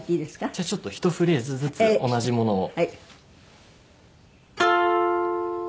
じゃあちょっとひとフレーズずつ同じものを。